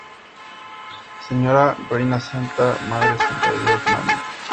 Señora, Reina santa, Madre santa de Dios, María!